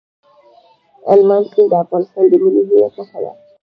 هلمند سیند د افغانستان د ملي هویت نښه ده.